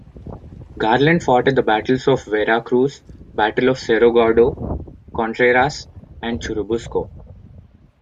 Garland fought at the battles of Veracruz, Battle of Cerro Gordo, Contreras and Churubusco.